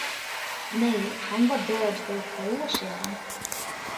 Nej, han var död för ett par år sedan.